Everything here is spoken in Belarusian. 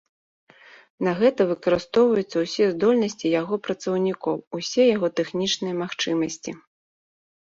На гэта выкарыстоўваюцца ўсе здольнасці яго працаўнікоў, усе яго тэхнічныя магчымасці.